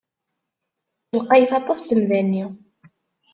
Lqayet aṭas temda-nni.